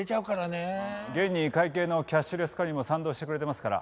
現に会計のキャッシュレス化にも賛同してくれてますから。